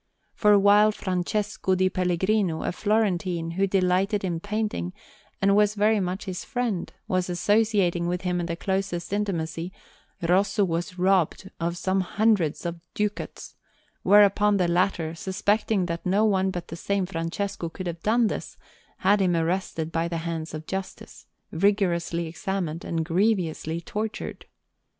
For while Francesco di Pellegrino, a Florentine, who delighted in painting and was very much his friend, was associating with him in the closest intimacy, Rosso was robbed of some hundreds of ducats; whereupon the latter, suspecting that no one but the same Francesco could have done this, had him arrested by the hands of justice, rigorously examined, and grievously tortured.